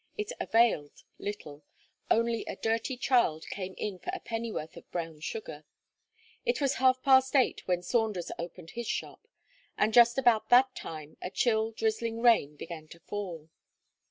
It availed little; only a dirty child came in for a pennyworth of brown sugar. It was half past eight when Saunders opened his shop; and just about that time a chill, drizzling rain began to fall.